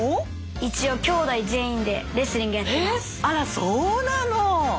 一応あらそうなの。